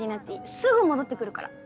すぐ戻って来るから。